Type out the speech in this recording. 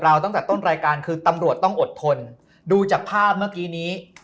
ตั้งแต่ต้นรายการคือตำรวจต้องอดทนดูจากภาพเมื่อกี้นี้